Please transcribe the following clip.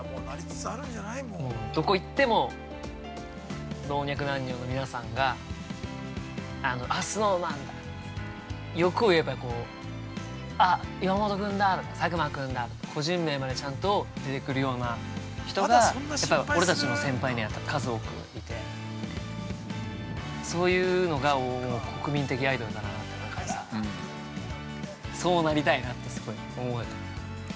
◆どこ行っても老若男女の皆さんがあ、ＳｎｏｗＭａｎだ、欲を言えば、あ、岩本君だ、佐久間君だ、個人名までちゃんと出てくるような人がやっぱり俺たちの先輩には数多くいて、そういうのが国民的アイドルだなと思うから、そうなりたいなって、すごい思う。